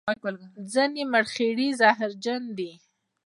ځینې مرخیړي زهرجن وي